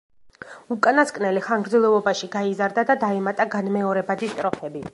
უკანასკნელი ხანგრძლივობაში გაიზარდა და დაემატა განმეორებადი სტროფები.